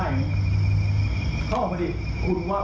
ผมก็จบปริญญาตรีนะครับ